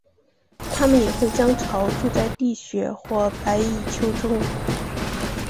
它们也会将巢筑在地穴或白蚁丘中。